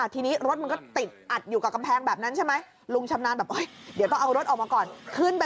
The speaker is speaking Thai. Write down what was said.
ทีนี้คุณป้าเนี่ยเจ้าของบ้านที่โดนชนรั้วพังเลยนะ